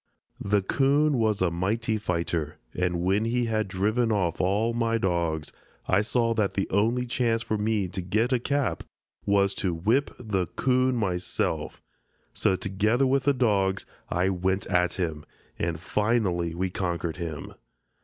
The 'coon was a mighty fighter, and when he had driven off all my dogs I saw that the only chance for me to get a cap was to whip the 'coon myself, so together with the dogs I went at him, and finally we conquered him.